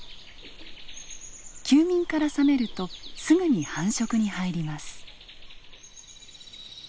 休眠から覚めるとすぐに繁殖に入ります。